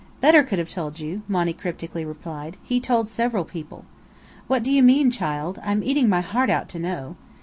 "Bedr could have told you," Monny cryptically replied. "He told several people." "What do you mean, child? I'm eating my heart out to know!"